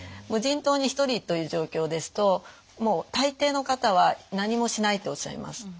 無人島に１人という状況ですともう大抵の方は何もしないとおっしゃいます。